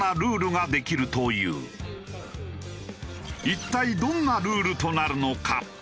一体どんなルールとなるのか？